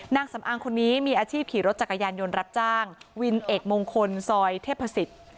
นางสำอางคนนี้มีอาชีพขี่รถจักรยานยนต์รับจ้างวินเอกมงคลซอยเทพศิษย์